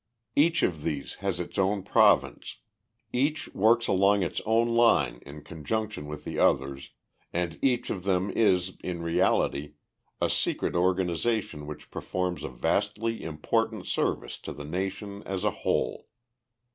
"Each of these has its own province. Each works along its own line in conjunction with the others, and each of them is, in reality, a secret organization which performs a vastly important service to the nation as a whole.